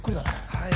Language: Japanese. はい。